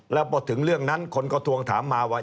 แล้วพอถึงเรื่องนั้นคนก็ทวงถามมาว่า